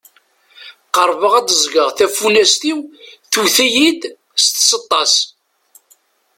Qerbeɣ ad d-ẓgeɣ tafunast-iw tewwet-iyi-d s tseṭṭa-s.